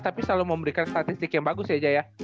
tapi selalu memberikan statistik yang bagus ya jaya